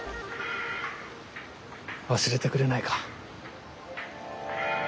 忘れてくれないか。